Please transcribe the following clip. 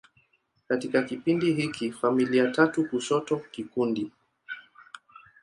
Katika kipindi hiki, familia tatu kushoto kikundi.